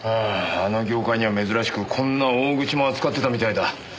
あああの業界には珍しくこんな大口も扱ってたみたいだ。